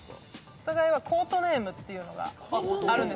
お互いはコートネームっていうのがあるんですよ。